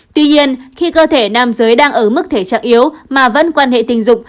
tuy nhiên khi cơ thể nam giới đang ở mức thể trạng yếu mà vẫn quan hệ tình dục